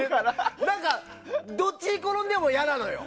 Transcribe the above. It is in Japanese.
何か、どっちに転んでも嫌なのよ。